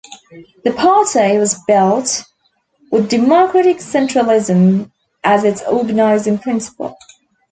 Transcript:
The party was built with democratic centralism as its organizing principle.